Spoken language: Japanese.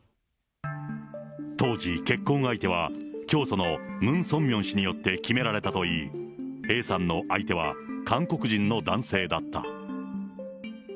当時、結婚相手は、教祖のムン・ソンミョン氏によって決められたといい、Ａさんの相手は韓国人の男性だった。